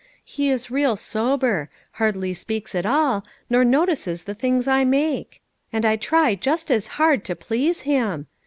He is real sober; hardly speaks at all, nor notices the things I make ; and I try just as hard to please him!